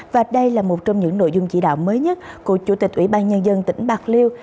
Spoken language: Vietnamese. và đây là một trong những nội dung chỉ đạo mới nhất của chủ tịch ủy ban nhân dân tỉnh bạc liêu